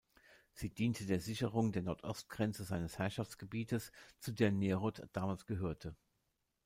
Sie diente der Sicherung der Nordostgrenze seines Herrschaftsgebietes, zu der Neroth damals gehörte.